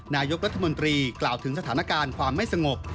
นายกรัฐมนตรีกล่าวถึงสถานการณ์ความไม่สงบ